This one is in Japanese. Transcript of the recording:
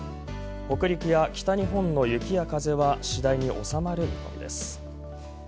北陸や北日本の雪や風は、次第に収まる見込みです。